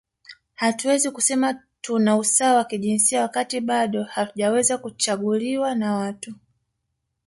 Hatuwezi kusema tuna usawa wa kijinsia wakati bado hatujaweza kuchaguliwa na watu